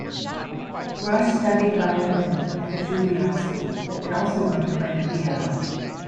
Rush studied violin at the Juilliard School, and also learned to play the piano.